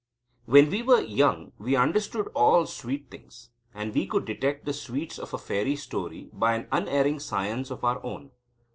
When we were young, we understood all sweet things; and we could detect the sweets of a fairy story by an unerring science of our own.